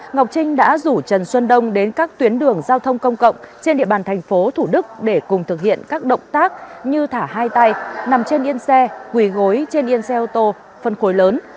ngọc trinh đã rủ trần xuân đông đến các tuyến đường giao thông công cộng trên địa bàn thành phố thủ đức để cùng thực hiện các động tác như thả hai tay nằm trên yên xe quỳ gối trên yên xe ô tô phân khối lớn